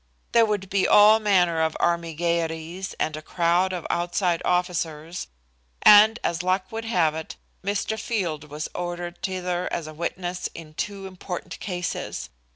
There would be all manner of army gaieties and a crowd of outside officers, and, as luck would have it, Mr. Field was ordered thither as a witness in two important cases.